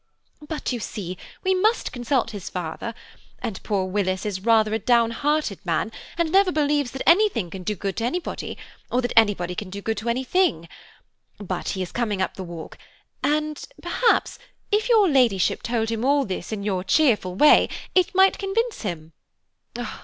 "But, you see, we must consult his father, and poor Willis is rather a down hearted man, and never believes that anything can do good to anybody, or that anybody can do good to anything. But he is coming up the walk, and, perhaps, if your Ladyship told him all this in your cheerful way it might convince him.